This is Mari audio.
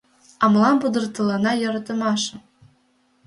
А молан пудыртылына йӧратымашым?